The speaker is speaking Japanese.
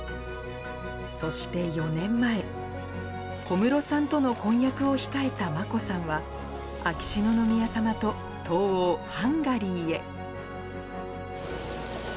そして４年前、小室さんとの婚約を控えた眞子さんは、秋篠宮さまと東欧ハンガリーへ。